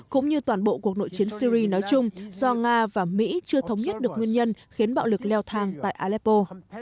cũng như toàn bộ cuộc nội chiến syri nói chung do nga và mỹ chưa thống nhất được nguyên nhân khiến bạo lực leo thang tại aleppo